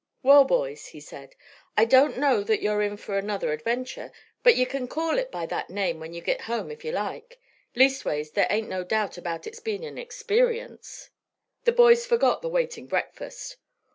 "Well, boys," he said, "I don't know that you're in fur another adventure, but ye kin call it by that name when you git home if you like; leastways there ain't no doubt about it's bein' an experience." The boys forgot the waiting breakfast.